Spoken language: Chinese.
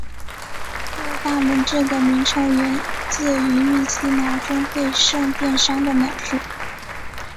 户勒大门这个名称源自于密西拿中对圣殿山的描述。